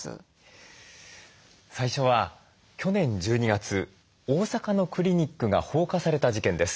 最初は去年１２月大阪のクリニックが放火された事件です。